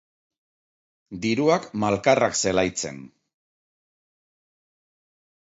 Diruak malkarrak zelaitzen.